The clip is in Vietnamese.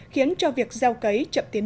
khiến cho việc gieo cấy chậm tiến độ